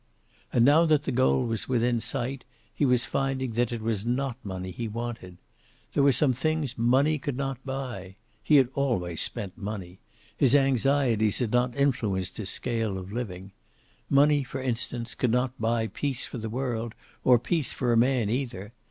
And now that the goal was within sight, he was finding that it was not money he wanted. There were some things money could not buy. He had always spent money. His anxieties had not influenced his scale of living. Money, for instance, could not buy peace for the world; or peace for a man, either.